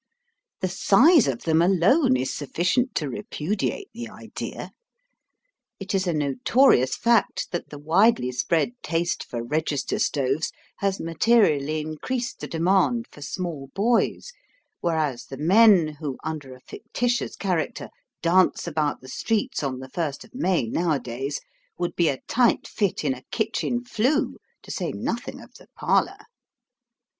The size of them, alone, is sufficient to repudiate the idea. It is a notorious fact that the widely spread taste for register stoves has materially increased the demand for small boys ; whereas the men, who, under a fictitious character, dance about the streets on the first of May nowadays, would be a tight fit in a kitchen flue, to say nothing of the parlour.